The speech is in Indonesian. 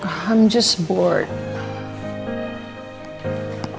aku cuma bingung